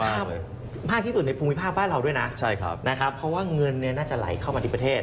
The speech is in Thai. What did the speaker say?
มากที่สุดในภูมิภาคบ้านเราด้วยนะใช่ครับนะครับเพราะว่าเงินเนี่ยน่าจะไหลเข้ามาที่ประเทศ